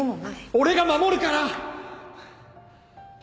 俺が守るから！